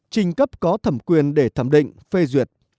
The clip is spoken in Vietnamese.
trình cấp có thẩm quyền để thẩm định phê duyệt